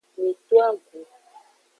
Mi to agu.